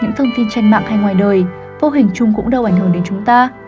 những thông tin trên mạng hay ngoài đời vô hình chung cũng đâu ảnh hưởng đến chúng ta